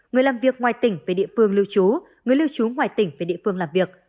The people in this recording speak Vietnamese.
người làm việc ngoài tỉnh về địa phương lưu trú người lưu trú ngoài tỉnh về địa phương làm việc